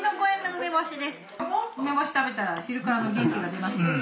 梅干し食べたら昼からも元気が出ますよ。